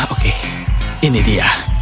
oke ini dia